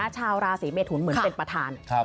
ชาวราศีเมทุนเหมือนเป็นประธาน